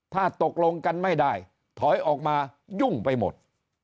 ถ้าตกลงกันไม่ได้ถอยออกมายุ่งไปหมด